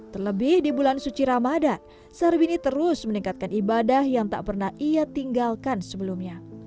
terlebih di bulan suci ramadan sarbini terus meningkatkan ibadah yang tak pernah ia tinggalkan sebelumnya